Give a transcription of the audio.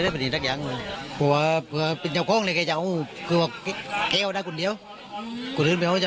โบราณว่ามีข้อเกิดแม้จับ